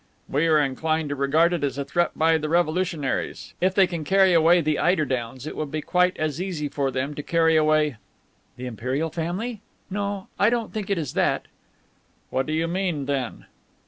"We are inclined to regard it as a threat by the revolutionaries. If they can carry away the eider downs, it would be quite as easy for them to carry away..." "The Imperial family? No, I don't think it is that." "What do you mean, then?"